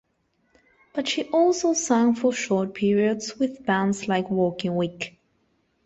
But she also sang for short periods with bands like Working Week.